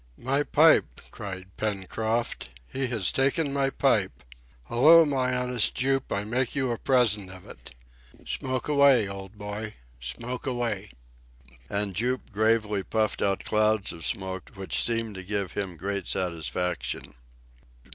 "My pipe," cried Pencroft. "He has taken my pipe! Hello, my honest Jup, I make you a present of it! Smoke away, old boy, smoke away!" And Jup gravely puffed out clouds of smoke which seemed to give him great satisfaction.